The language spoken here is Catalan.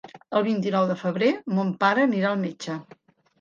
El vint-i-nou de febrer mon pare anirà al metge.